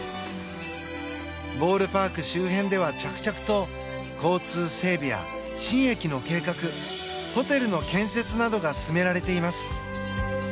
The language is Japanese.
ボールパーク周辺では着々と交通整備や新駅の計画ホテルの建設などが進められています。